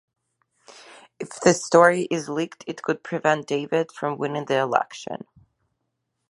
If this story is leaked, it could prevent David from winning the election.